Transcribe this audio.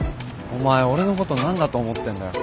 お前俺のこと何だと思ってんだよ。